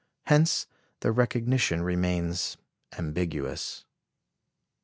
Hence the recognition remains ambiguous.